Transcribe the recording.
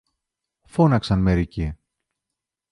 φώναξαν μερικοί.